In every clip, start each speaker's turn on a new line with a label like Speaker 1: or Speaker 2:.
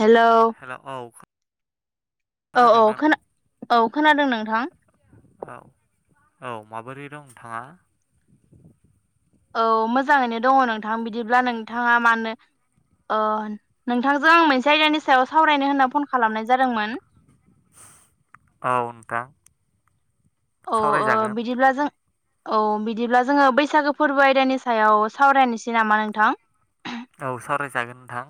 Speaker 1: हेल' औ
Speaker 2: हेल' औ
Speaker 1: औ
Speaker 2: खोनादोंना
Speaker 1: खोना औ खोनादों नोंथां
Speaker 2: औ औ, माबोरै दं नोंथाङा?
Speaker 1: औ मोजाङैनो दङ' नोंथां बिदिब्ला नोंथाङा मानो अ नोंथांजों आं मोनसे आयदानि सायाव सावरायनो होनना फन खालामनाय जादोंमोन।
Speaker 2: औ नोंथां।
Speaker 1: औ ओ
Speaker 2: सावरायजागोन
Speaker 1: बिदिब्ला जों औ, बिदिब्ला जोङो बैसागो फोरबो आयदानि सायाव सावरायनोसै नामा नोंथां?
Speaker 2: औ सावरायजागोन नोंथां।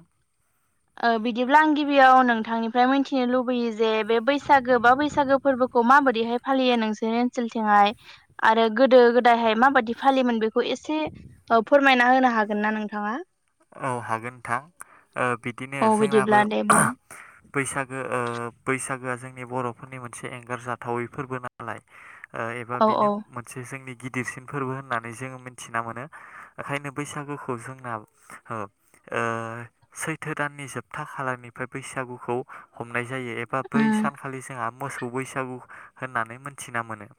Speaker 1: ओ बिदिब्ला आं गिबियाव नोंथांनिफ्राय मिथिनो लुबैयो जे बे बैसागो बा बैसागो फोरबो खौ माबोरैहाय फालियो नोंसोरनि ओनसोलथिंहाय आरो गोदो गोदायहाय माबायदि फालियोमोन बेखौ ए एसे फोरमायना होनो हागोन ना नोंथाङा?
Speaker 2: औ हागोन नोंथां। ओ बिदिनो
Speaker 1: औ
Speaker 2: जोंनाबो
Speaker 1: बिदिब्ला दे बुं
Speaker 2: बैसागो ओ बैसागोआ जोंनि बर'फोरनि मोनसे एंगार जाथावै फोरबो नालाय ओ एबा
Speaker 1: औ
Speaker 2: बेनो मोनसे जोंनि गि दिसिन फोरबो होननानै जोङो मिथिना मोनो। ओंखायनो बैसागुखौ जोंना हो ओ सैथो दाननि जोबथा खालारनिफ्राय बैसागुखौ हम नाय जायो एबा बै
Speaker 1: उम
Speaker 2: सानखालि जोंहा मोसौ बैसागु होननानै मोनथिना मोनो।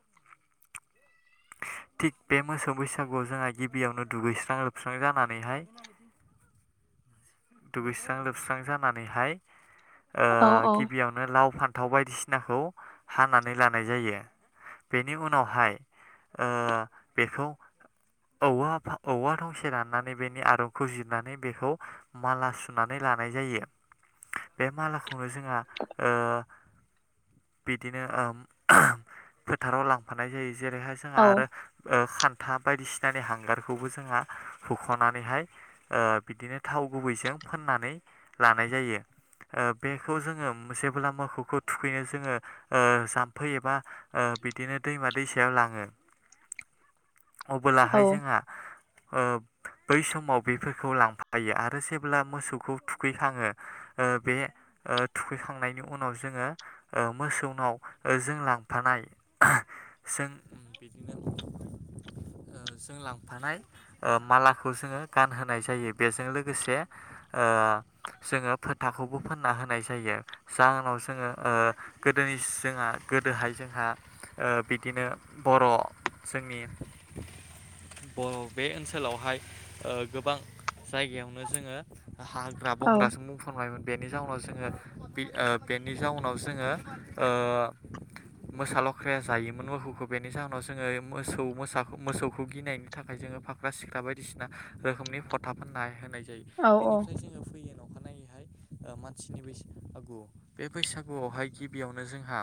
Speaker 1: [inaudible]
Speaker 2: थिग बे मोसौ बैसागुआव जोंहा गिबियावनो दुगैस्रां लोबस्रां जानानैहाय दुगैस्रां लोबस्रां जानानैहाय ओ
Speaker 1: औ औ
Speaker 2: गिबियावनो लाव फान्थाव बायदिसिनाखौ हानानै लानाय जायो। बेनि उनावहाय ओ बेखौ औवा औवा थंसे राननानै बेनि आर फुजिरनानै बेखौ माला सुनानै लानाय जायो। बे मालाखौ खौनो जोंहा ओ बिदिनो ओ फोथाराव लांफानाय जायो। जेरैहाय जोंहा
Speaker 1: औ
Speaker 2: आरो ओ खान्था बायदिसिनानि हांगारखौबो जोंहा हुख'नानैहाय ओ बिदिनो थाव गुबैजों फोननानै लानाय जायो। ओ बेखौ जोङो जेबोला मोखौखौ थुखैनो जोङो ओ जाम्फै एबा ओ बिदिनो दैमा दैसायाव लाङो।
Speaker 1: [inaudible] औ
Speaker 2: अबोलाहाय जोंहा ओ बै समाव बेफोरखौ लांफायो आरो जेब्ला मोसौखौ थुखैखाङो ओ बे ओ थुखैखां खांनायनि उनाव जोङो ओ मोसौनाव जों लांफानाय जों बिदिनो ओ जों लांफानाय ओ मालाखौ जोङो गानहोनाय जायो बेजों लोगोसे ओ जोङो फोथाखौबो फोनना होनाय जायो। जाहोनाव जोङो ओ गोदोनि जोंहा गोदोहाय जोंहा ओ बिदिनो बर' जोंनि बर' बे ओनसोलावहाय ओ गोबां जायगायावनो जोङो हाग्रा
Speaker 1: औ
Speaker 2: बंग्राजों बुंफबनायमोन। बेनि जाउनाव जोङो बे ओ बेनि जाउनाव जोङो ओ मोसा लख्राया जायोमोन मोखौखौ बेनि जाहोनाव जोङो मोसौ मोसाखौ मोसौखौ गिनायनि थाखाय जों ङो फाख्रा सिख्रा बायदिसिना रोखोमनि फथा फोननाय होनाय जायो।
Speaker 1: औ
Speaker 2: बेनिफ्राय जोङो फैयो न'
Speaker 1: [inaudible]
Speaker 2: ओ मानसिनि बैसा गु। बे बैसागुआवहाय गिबियावनो जोंहा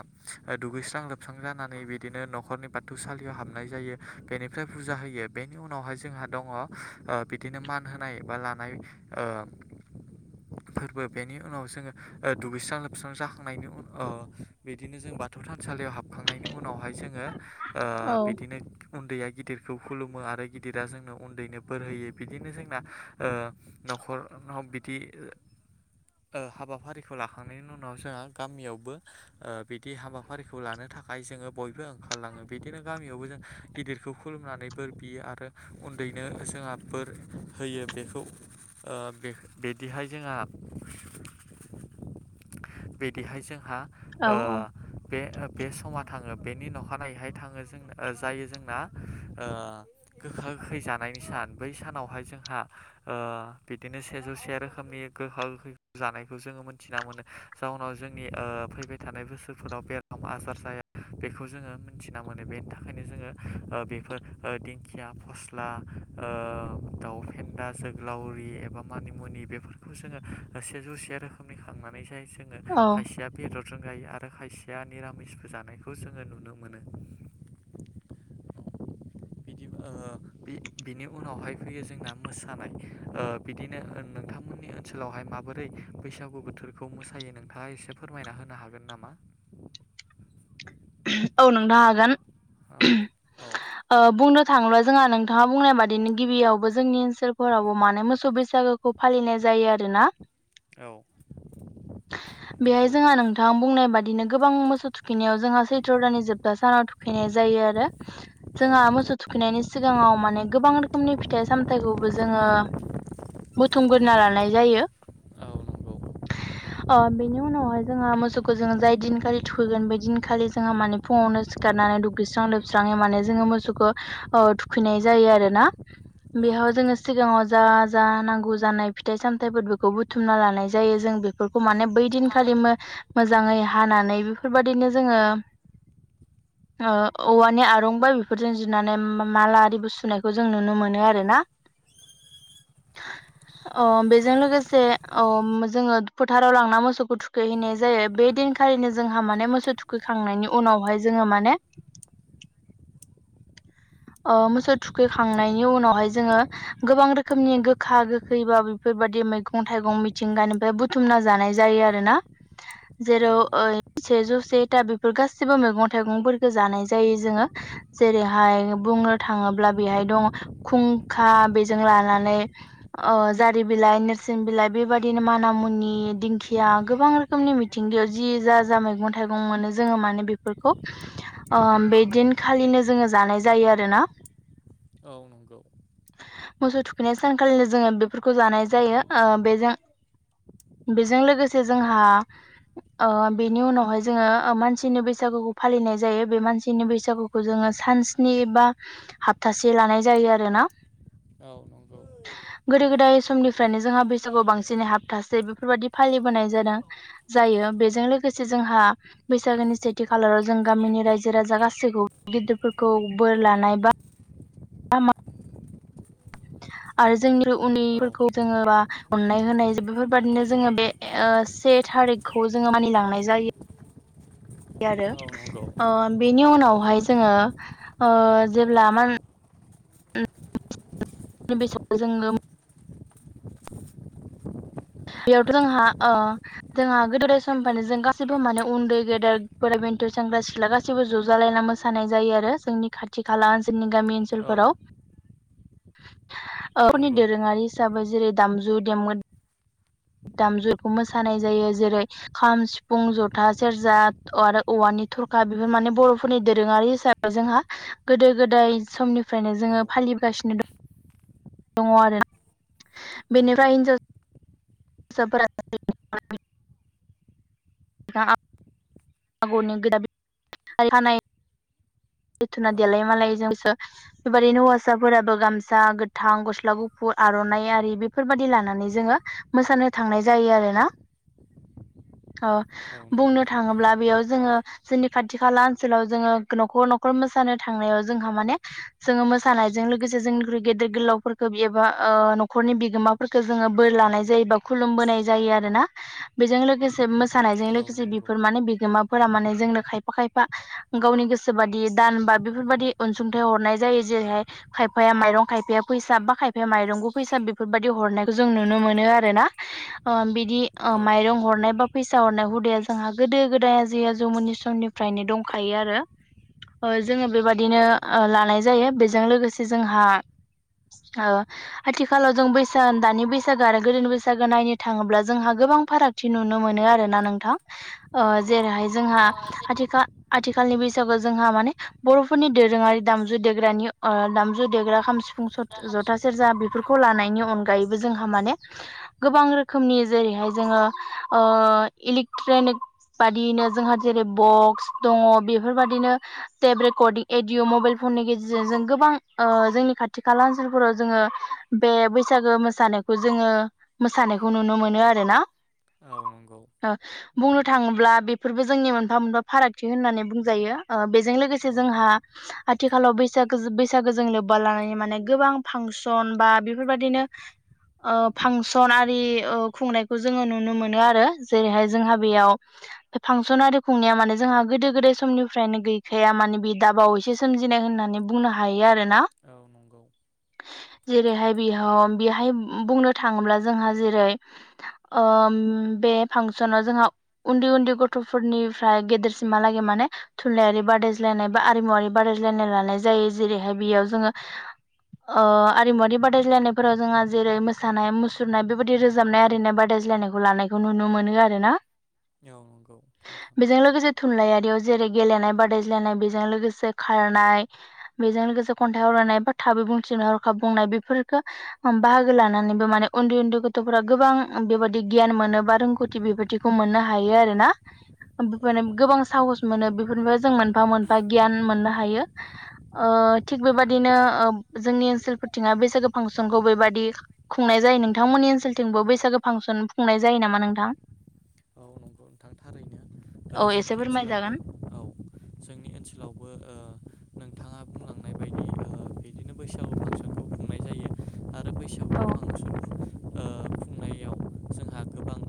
Speaker 2: दुगैस्रां लोब स्रां जानानै बिदिनो न'खरनि बाथौ सालियाव हाबनाय जायो। बेनिफ्राय फुजा होयो बेनि उनावहाय जों हा दङ' ओ बिदिनो मान होनाय बा लानाय। ओ फोरबो बेनि उनाव जोङो दुगैस्रां लोबस्रां जाखांनायनि उन ओ बिदिनो जों बाथौ थानसालियाव हाब खांनायनि उनावहाय जोङो ओ
Speaker 1: औ
Speaker 2: बिदिनो उन्दैया गिदिरखौ खुलुमो आरो गिदिर दा जोंनो उन्दैनो बोर होयो बिदिनो जोंना ओ न'खरनाव बिदि ओ हाबाफारिखौ लाखांनायनि उनाव जोंहा गामियावबो ओ बिदि हाबाफारिखौ लानो थाखाय जोङो बयबो ओंखारलाङो बिदिनो गामियावबो जों गिदिरखौ खुलुमनानै बोर बियो आरो उन उन्दैनो जोंहा बोर होयो बेखौ ओ बिदिहाय जोंहा
Speaker 1: [inaudible]
Speaker 2: बिदिहाय जोंहा
Speaker 1: औ
Speaker 2: ओ बे बे समा थाङो बेनि अखानायैहाय थाङो जों जायो जोंना ओ गोखा गोखै जानायनि सान। बै सानावहाय जोंहा ओ बिदिनो सेजौ से रोखोमनि गोखा गोखै जानायखौ जोङो मोनथिना मोनो जाहनाव जोंनि ओ फैबाय थानाय बोसोरफोराव बेराम आजार जाया बेखौ जोङो मोनथिना मोनो बेनि थाखायनो जोङो ओ बेफोर ओ दिंखिया, फस्ला ओ दाउ फेन्दा जोग्लावरि एबा मानिमुनि बेफोरखौ जोङो सेेजौसे रोखोमनि खांनानै जायो। जोङो खायसेया बेदर जायो आरो खायसेया निरामिसबो जानायखौ जोङो नुनो मोनो।
Speaker 1: [inaudible]
Speaker 2: बिदि ओ बि बिनि उनावहाय फैयो जोंना मोसानाय ओ बिदिनो नोंथांमोननि ओनसोलावहाय माबोरै बैसागु बोथोरखौ मोसायो नोंथाङा एसे फोरमायना होनो हागोन नामा?
Speaker 1: औ नोंथां हागोन।
Speaker 2: औ औ।
Speaker 1: थांब्ला जोंहा नोंथाङा बुंनाय बादिनो गिबियावबो जोंनि ओनसोलफोरावबो मानो मोसौ बैसागोखौ फालिनाय जायो आरोना
Speaker 2: औ
Speaker 1: बेहाय
Speaker 2: नंगौ
Speaker 1: जोंहा नोंथां बुंनाय बादि बिदिनो गोबां मोसौ थुखैनायाव जा सैथ्र' दानि जोबथा सानाव थुखैनाय जायो आरो
Speaker 2: औ
Speaker 1: जोंहा
Speaker 2: नंगौ
Speaker 1: मोसौ थुखैनायनि सिगाङाव माने गोबां गोबां रोखोमनि फिथाइ सामथायखौबो जोङो बुथुमग्रोना लानाय जायो।
Speaker 2: औ नंगौ
Speaker 1: ओ बेनि उनावहाय जोंहा मोसौखौ जोङो जाय दिनखालि थुखैगोन बेै दिनखालि जोङो माने फुङावनो सिखारनानै दुगैस्रां लोबस्राङै माने जोङो मोसौखौ थुखैनाय जायो आरो ना।
Speaker 2: औ
Speaker 1: बेयाव जोङो
Speaker 2: नंगौ
Speaker 1: सिगाङाव जा जा नांगौ जानाय फिथाइ सामथाइफोरखौ बुथुमना लानाय जायो जों जों बेफोरखौ माने बैदिनखालि मो मोजाङै हानानै बेफोर बायदिनो जोङो [inaudible] ओ औवानि आरंबाइ बेफोरजों जुनानै माला आरिबो सुनायखौ जों नुनो मोनो आरोना। [inaudible] अ बेजों लोगोसे जोङो फोथाराव लांना मोसौखौ थुखैहैनाय जायो बे दिन‌ खालिनो जोंहा माने मोसौ थुखै खांनायनि उनावहाय जोङो माने ओ मोसौ थुखै खांनायनि उनावहाय जोङो गोबां रोखोमनि गोखा गोखै बा बेफोर बेफोर बायदि मैगं थाइगं मिथिंगानिफ्राय बुथुमना जानाय जायो आरोना। जेरै
Speaker 2: औ
Speaker 1: ओ
Speaker 2: नंगौ
Speaker 1: सेजौ से था बेफोर गासैबो मैगं थाइगंफोरखौ जानाय जायो जोङो जेरैहाय बुंनो थाङोब्ला बेहाय दं खुंखा बेजों लानानै जारि बिलाइ बिलाइ नेरसिं बिलाइ बेबायदिनो माना मुनि दिंखिया गोबां रोखोमनि मिथिंगायाव जि जा जा मैगं थाइगं मोनो जोङो माने बेफोरखौ ओ बे दिनखालिनो जोङो जानाय जायो आरोना।
Speaker 2: औ नंगौ।
Speaker 1: मोसौ थुखैनाय सानखालिनो जोङो बेफोरखौ जानाय जायो ओ बेजों बेजों लोगोसे जोंहा ओ बेनि उनावहाय जोङो मानसिनि बैसागु फालिनाय जायो बे मानसिनि बैसागुखौ जोङो सान स्नि बा हप्तासे लानाय जायो आरोना।
Speaker 2: औ नंगौ
Speaker 1: गोदो गोदाय समनिफ्रायनो जोंहा बैसागुआव बांसिनै हाबथासे बेफोरबादि फालिबोनाय जादों जायो। बेजों लोगोसे जोंहा बैसागोनि सेथि खालाराव जों गामिनि रायजो राजा गासैखौबो गिदिर खौ बोर लानाय बा मा आरो जोंनि उन्दैफोरखौ जोङोबा अननाय होनाय बेफोरबादिनो जोङो बे से थारिखखौ जोङो मानिलांनाय जायो। आरो ओ बेनि उनावहाय जोङो ओ जेब्ला मा [unintelligible] बेयावथ जोंहा ओ जोंहा गोदो समनिफ्रायनो जों गासिबो माने उन्दै गेदेर बोराय बेनथ सेंग्रा सिख्ला गासैबो ज'जालायना मोसानाय जायो आरो जोंनि खाथि खाला ओनसोलनि गामि ओनसोलफोराव फोरनि
Speaker 2: नंगौ
Speaker 1: दोरोङारि हिसाबै जेरै दामजु देमगो दामजुुरखौ मोसानाय जायो जेरै खाम सिफुं जथा सेरजा आरो औवानि तरखा बेफोर माने बरफोरनि दोरोङारि हिसाबै जोंहा गोदो गोदाय समनिफ्रायनो
Speaker 2: औ
Speaker 1: जोङो फालि नि प्रसनो दङ आरो
Speaker 2: नंगौ
Speaker 1: बेनिफ्राय हिनजाव [unintelligible] आगरनि गोदाब खानाय जथना
Speaker 2: औ
Speaker 1: देलाय मालाय जोंसो [unintelligible] बेबायदिनो हौवासाफोराबो गामसा गोथां गस्ला गुफुर आरनाइ आरि बेफोरबायादि लानानै जोङो मोसानो थांनाय जायो आरोना अ
Speaker 2: औ
Speaker 1: बुंनो
Speaker 2: नंगौ
Speaker 1: थाङोब्ला बेयाव जोङो जोंनि खाथि खाला ओनसोलाव जोङो नखर नख न'खर मोसानो थांनायाव जोंहा माने जोङो मोसानायजों लोगोसे जोंनिख्रुइ गेदेर गोलावफोरखौ एबा ओ न'खरनि बिगोमाफोरखौ जोङो बोर लानाय जायो बा खुलुमबोनाय जायो आरो ना बेजों लोगोसे नायजों
Speaker 2: औ
Speaker 1: लोगोसे
Speaker 2: नंगौ
Speaker 1: बेफोर माने बिगोमाफोरा माने जोंनो खायफा खायफा गावनि गोसो बादि दान बा बेफोरबायादि अनसुंथाइ हरनाय जायो जेरैहाय खायफाया माइरं खायफाया फैसा बा खायफाया माइरं बा फैसा बेफोरबादि हरनायखौ जों नुनो मोनो आरो ना ओ
Speaker 2: औ
Speaker 1: माइरं
Speaker 2: नंगौ
Speaker 1: हरनाय बा फैसा हरनाय जोंहा गोदो गोदाय आजै आजौ मोननि समनिफ्रायनो दंखायो आरो ओ जोङो बेबादिनो
Speaker 2: औ
Speaker 1: ओ लानाय जायो बेजों लोगोसे जोंहा ओ आथिखालाव जों बैसाग दानि बैसागो आरो गोदोनि बैसागो नायनो थाङोब्ला जोंहा गो गोबां फारागथि नुनो मोनो आरोना नोंथां। ओ
Speaker 2: नंगौ।
Speaker 1: जेरैहाय जोंहा
Speaker 2: ओ
Speaker 1: आथिखा आथिखालनि बैसागु जोंहा माने बर'फोरनि दोरोङारि दामजु देग्रानि दामजु देग्रा खाम
Speaker 2: जेब्ला खाम
Speaker 1: जथा सेेरजा बे बेफोरखौ लानायनि अनगायैबो जोंहा माने गोबां रोखोमनि जेरैहाय जोङो ओ इलेक्ट्रनिक बादियैनो जोंहा जेरै बक्स दङ बेफोरबादिनो टेब रेकर्डिं एडिअ मबाइल फननि गेजेरजों जों गोबां ओ जोंनि खाथि खाला ओनसोलफोराव जोङो बे बैसागो मोसानायखौ जोङो मोसानायखौ नुनो मोनो आरोना
Speaker 2: औ नंगौ
Speaker 1: बुंनो
Speaker 2: नोंथां
Speaker 1: थाङोब्ला बेफोरबो जोंनि मोनफा मोनफा फारागथि होननानै बुंजायो बेजों लोगोसे
Speaker 2: औ
Speaker 1: जोंहा आथिखालाव बैसागो बैसागोजों लोब्बा लानानै माने गोबां फां सन बा बेफोरबादिनो ओ फांसन आरि ओ खुंनायखौ जोङो नुनो मोनो आरो जेरैहाय जोंहा बेयाव बे फांसन आरो खुंनाया माने जोंहा गोदो गोदाय समनि फ्रायनो गैखाया माने बे दाबावैसे सोमजिनाय होननानै बुंनो हायो आरोना।
Speaker 2: औ नंगौ।
Speaker 1: जेरैहाय बेहाव बेहाय बुंनो थाङोब्ला जोंहा जेरै ओ उम बे फांसनाव जोंहा उन्दै उन्दै गथ'फोरनिफ्राय गेदेरसिमहालागै माने थुनलाायारि बादायज्लायनाय बा आरिमुवरारि बादायज्लायनाय लानाय जायो जेरैहाय बेयाव जोङो ओ आरिमुवारि बादायलायनायफोराव जोंहा जेरै- मोसानाय मुसुरनाय बेबायदि रोजाबनाय आरिनाय बादाय ज्लायनायखौ लानायखौ नुनो मोनो आरो ना।
Speaker 2: औ नंगौ नोंथां
Speaker 1: बेजों लोगोसे थुनलायारियाव जेरै गेलेनाय बादायज्लायनाय बेजों लोगोसे खारनाय बेजों लोगोसे खन्थाइ आवरायनाय बा थाबै बुंथि हरखाब बुंनाय बेफोरखौ बाहागो लानानैबो माने उन्दै उन्दै गथ'फोरा गोबां बेबायदि गियान मोन बा रोंगौथि बेबायदिखौ मोननो हायो आरोना
Speaker 2: औ नंगौ
Speaker 1: गोबां साहस मोनो बे फोरबो जों मोनफा मोनफा गियान मोननो हायो। ओ थिग बेबायदिनो जोंनि ओनसोलफोरथिङा बैसागो फांसनखौ बेबायदि खुंनाय जायो नोंथांमोननि ओनसोलथिंबो
Speaker 2: औ
Speaker 1: बैसागो फांसन खुंनाय जायो नामा नोंथां?
Speaker 2: औ नंगौ नोंथां थारैनो ओ
Speaker 1: औ एसे
Speaker 2: जोंनि ओनसोलावबो
Speaker 1: फोरमायजागोन
Speaker 2: औ।
Speaker 1: [inaudible]
Speaker 2: जोंनि ओनसोलावबो ओ नोंथाङा बुंलांनाय बायदि ओ बिदिनो बैसागु फांसनखौ खु
Speaker 1: [inaudible]
Speaker 2: आरो बैसागु
Speaker 1: औ
Speaker 2: फांसनखौ ओ खुंनायाव जोंहा गोबां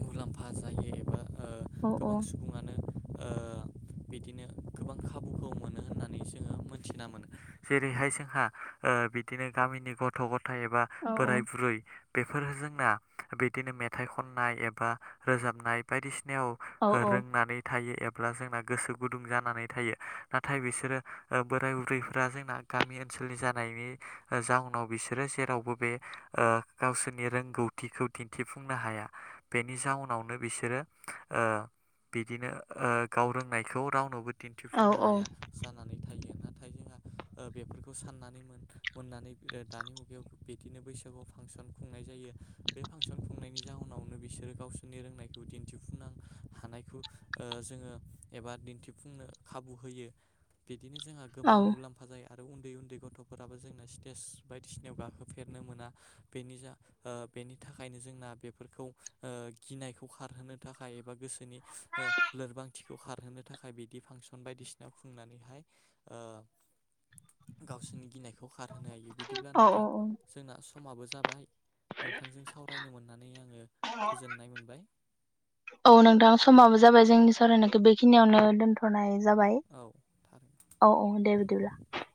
Speaker 2: मुलाम्फा जायो एबा ओ
Speaker 1: औ-औ।
Speaker 2: गोबां सुबुङानो ओ बिदिनो गोबां खाबुखौ मोनो होननानै जोङो मोनथिना मोनो जेरैहाय जोंहा ओ बिदिनो गामिनि गथ' गथ' थाय एबा
Speaker 1: औ
Speaker 2: बोराय बुरै बेफोर जोंना बिदिनो मेथाइ खननाय ए बा रोजाबनाय बायदिसिनायाव
Speaker 1: औ
Speaker 2: रोंनानै थायो एबा ब्ला जोंना गोसो गुदुं जानानै थायो नाथाय बिसोरो बोराय ओ बुरैफोरा जोंना गामि ओ ओनसोलनि जानायनि जााहनाव बिसोरो जेरावबो बे ओ गावसोरनि रोंगौथिखौ दिन्थिफुंनो हाया। बेनि जाउनावनो बिसोरो ओ बिदिनो ओ गाव रोंनायखौ रावनोबो
Speaker 1: औ
Speaker 2: दिन्थिफुंनो हाया जाना
Speaker 1: [inaudible]
Speaker 2: ओ बेफोरखौ साननानै मोननानै दानि मुगायाव बिदिनो बैसागुआव फांसन खुंनाय जायो। बे फांसन खुंनायनि जाउनाव बिसोरो गावसोरनि रोंनायखौ दिन्थिफुंनो हानायखौ ओ जोङो एबा दिन्थिफुं नो खाबु होयो बिदिनो जोंहा गोबां
Speaker 1: औ
Speaker 2: मुलाम्फा जायो आरो उन्दै उन्दै गथ'फोराबो जोंना स्टेज बायदिसिनायाव गाखोफेरनो मोना बेनि जा ओ बेनि थाखायनो जोंना बेफोरखौ ओ गिनायखौ खारहोनो थाखाय एबा गोसोनि ओ लोरबांथिखौ खारहोनो थाखाय बिदि फांसन बायसिना खुंनानैहाय ओ गावसिनि गिनाय खौ खारहोनो हायो बिदिब्ला
Speaker 1: औ
Speaker 2: नोंथां
Speaker 1: औ
Speaker 2: जोंना समाबो जाबाय नोंथांजों सावरायनो मोननानै आङो गोजोननाय मोनबाय
Speaker 1: औ नोंथां समाबो जाबाय जोंनि सावरायना बेखिनियावनो दोनथ'नाय जाबाय।
Speaker 2: औ थारै
Speaker 1: औ-औ दे बिदिब्ला।